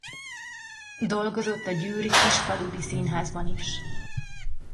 Dolgozott a győri Kisfaludy Színházban is.